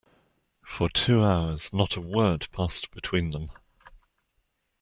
For two hours not a word passed between them.